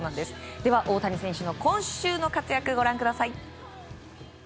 では、大谷選手の今週の活躍ご覧ください。